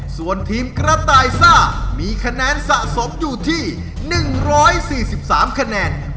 ส่วนทีมกระต่ายซ่ามีคะแนนสะสมอยู่ที่๑๔๓คะแนน